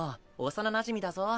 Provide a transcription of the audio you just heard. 幼なじみだぞ。